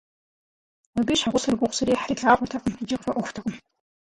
Абы и щхьэгъусэр гугъу зэрехьыр илъагъуртэкъым икӏи къыфӏэӏуэхутэкъым.